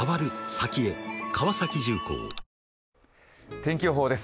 天気予報です。